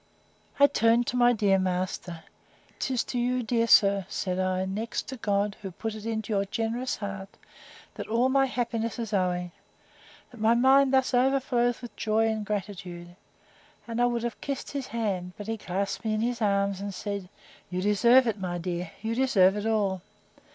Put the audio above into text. I turned to my dear master: 'Tis to you, dear sir, said I, next to God, who put it into your generous heart, that all my happiness is owing! That my mind thus overflows with joy and gratitude! And I would have kissed his hand; but he clasped me in his arms, and said, You deserve it, my dear: You deserve it all.